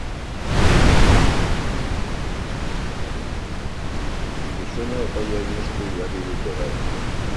Gizona epailearen esku jarri dute gaur.